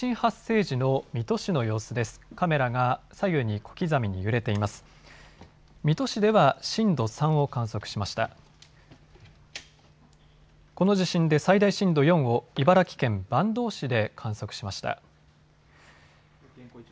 この地震で最大震度４を茨城県坂東市で観測しました。